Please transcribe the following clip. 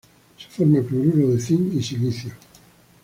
Se forma cloruro de cinc y silicio.